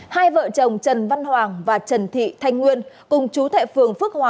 hai vợ chồng trần văn hoàng và trần thị thanh nguyên cùng chú thệ phường phước hòa